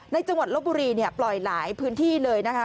จังหวัดลบบุรีปล่อยหลายพื้นที่เลยนะคะ